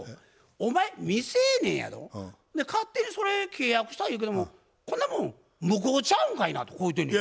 「お前未成年やろ勝手にそれ契約した言うけどもこんなもん無効ちゃうんかいな」とこう言うてんねや。